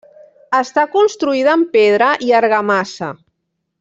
Està construïda amb pedra i argamassa.